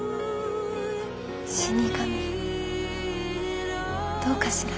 死に神どうかしら？